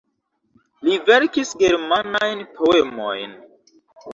Li verkis germanajn poemojn.